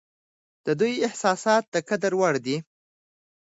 د دوی احساسات د قدر وړ دي.